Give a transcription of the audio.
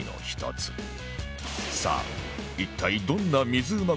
さあ一体どんな水うま